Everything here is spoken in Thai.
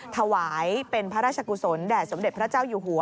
ถวายเป็นพระราชกุศลแด่สมเด็จพระเจ้าอยู่หัว